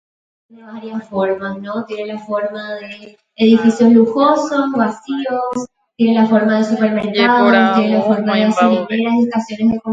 Amaguasu ha yvytu'atã.